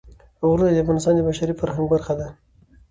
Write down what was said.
غرونه د افغانستان د بشري فرهنګ برخه ده.